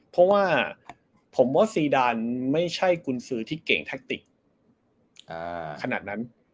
เพราะว่าผมว่าซีดานไม่ใช่กุญสือที่เก่งแท็กติกขนาดนั้น